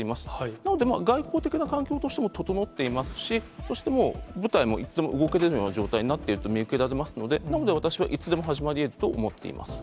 なので、外交的な環境としても整っていますし、そしてもう、部隊もいつでも動けるような状態になっていると見受けられますので、なので私はいつでも始まりえると思っています。